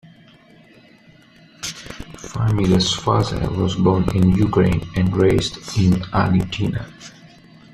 Farmiga's father was born in Ukraine and raised in Argentina.